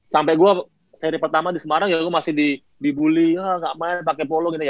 sampai gue seri pertama di semarang ya gue masih dibully ya gak main pake polo